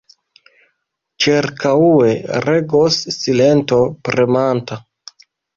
Ĉirkaŭe regos silento premanta.